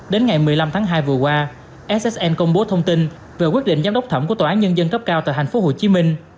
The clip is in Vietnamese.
đến ngày một mươi năm tháng hai vừa qua ssen công bố thông tin về quyết định giám đốc thẩm của tòa án nhân dân cấp cao tại thành phố hồ chí minh